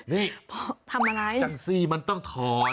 นี่จังสี่มันต้องถอน